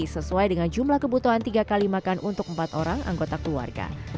sesuai dengan jumlah kebutuhan tiga kali makan untuk empat orang anggota keluarga